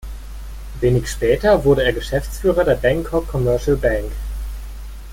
Wenig später wurde er Geschäftsführer der Bangkok Commercial Bank.